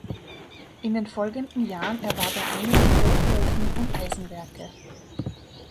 In den folgenden Jahren erwarb er einige Hochofen- und Eisenwerke.